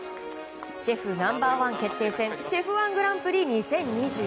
シェフナンバー１決定戦「ＣＨＥＦ‐１グランプリ２０２２」。